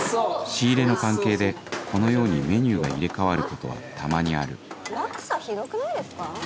仕入れの関係でこのようにメニューが入れ替わることはたまにある落差ひどくないですか？